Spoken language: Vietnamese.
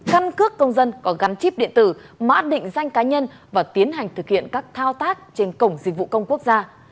căn cước công dân có gắn chip điện tử mã định danh cá nhân và tiến hành thực hiện các thao tác trên cổng dịch vụ công quốc gia